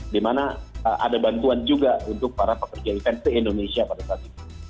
dimana ada bantuan juga untuk para pekerja event di indonesia pada saat itu